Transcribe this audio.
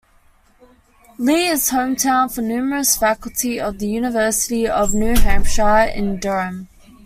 Lee is hometown for numerous faculty of the University of New Hampshire in Durham.